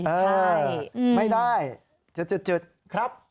ไม่ได้จุดครับ